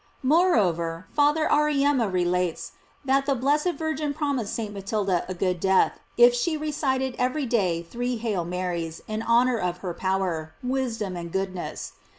* Moreover, Father Auriem ma relates,} that the blessed Virgin promised St. Matilda a good death, if she recited every day three "Hail Marys" in honor of her power, wisdom, and goodness.